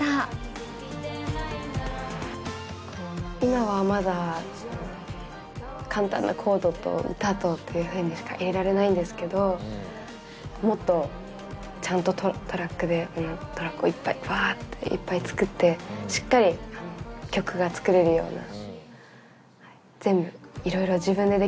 今はまだ簡単なコードと歌とっていうふうにしか入れられないんですけどもっとちゃんとトラックでトラックをいっぱいバッといっぱい作ってしっかり曲が作れるような。